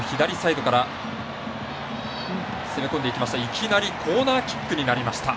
いきなりコーナーキックになりました。